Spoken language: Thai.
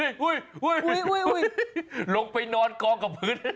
ไหนงูโอ้ยลงไปนอนกองกับพื้น